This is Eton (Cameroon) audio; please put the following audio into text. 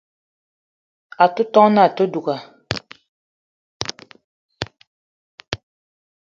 A te ton na àte duga